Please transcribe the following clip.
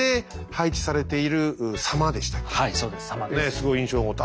すごい印象残った。